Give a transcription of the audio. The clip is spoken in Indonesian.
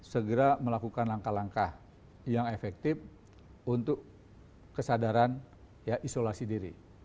segera melakukan langkah langkah yang efektif untuk kesadaran isolasi diri